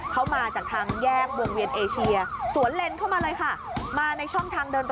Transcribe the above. เขามาจากทางแยกเมืองเวียนเอเชียสวนเลนเข้ามาเลยค่ะมาในช่องทางเดิน